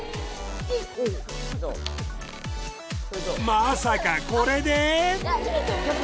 まさかこれで？